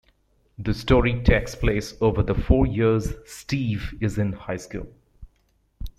The story takes place over the four years Steve is in high school.